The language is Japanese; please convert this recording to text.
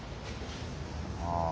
ああ。